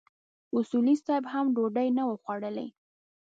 اصولي صیب هم ډوډۍ نه وه خوړلې.